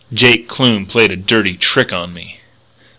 "Jake Kloon played a dirty trick on me."